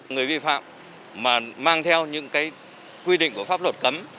người bị phạm mà mang theo những quy định của pháp luật cấm